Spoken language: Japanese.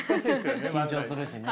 緊張するしね。